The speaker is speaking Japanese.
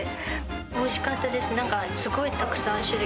おいしかったです。